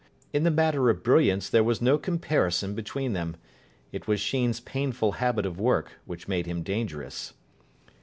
In the matter of brilliance there was no comparison between them. It was Sheen's painful habit of work which made him dangerous.